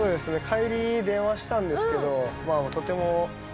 帰り電話したんですけど。